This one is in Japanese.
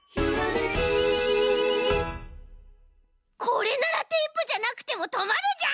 これならテープじゃなくてもとまるじゃん！